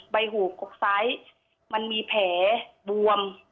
ใบหูอกซ้ายมันมีแผลบวม